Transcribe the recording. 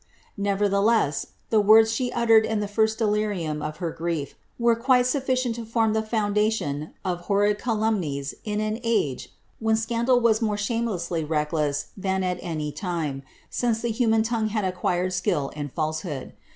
Nevertheless, the words she uttered in the first delirium of her grief, were quite sufficient to form the foundation of horrid calumnies in an age, when scandal was more shamelessly reckless than at any time, since the human tongue had acquired skill in falsehood.